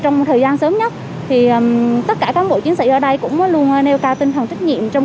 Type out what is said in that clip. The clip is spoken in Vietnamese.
trong thời gian sớm nhất thì tất cả cán bộ chiến sĩ ở đây cũng luôn nêu cao tinh thần trách nhiệm trong